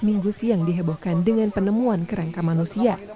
minggu siang dihebohkan dengan penemuan kerangka manusia